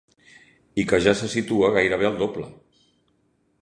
I que ja se situa gairebé al doble.